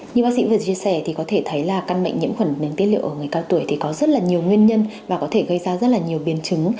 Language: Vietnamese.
như bác sĩ vừa chia sẻ có thể thấy căn bệnh nhiễm khuẩn tiết niệm ở người cao tuổi có rất nhiều nguyên nhân và có thể gây ra rất nhiều biến chứng